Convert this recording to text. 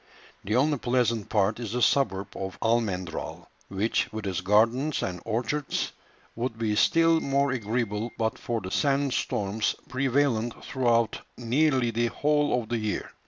The only pleasant part is the suburb of Almendral, which, with its gardens and orchards, would be still more agreeable but for the sand storms prevalent throughout nearly the whole of the year.